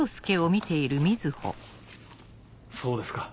そうですか。